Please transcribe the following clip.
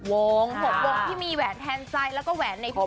๖โวงที่มีแหวนแทนใจและก็แหวนในทีม